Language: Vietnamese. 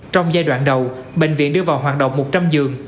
trong giai đoạn đầu bệnh viện đưa vào hoạt động một trăm linh giường